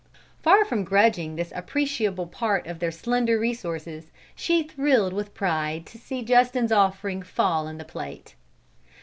Far from grudging this appreciable part of their slender resources, she thrilled with pride to see Justin's offering fall in the plate.